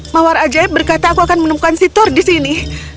mawar ajaib berkata aku akan menemukan sitor di sini